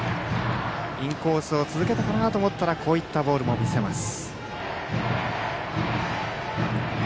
インコースを続けたかと思ったらこのようなボールも見せます。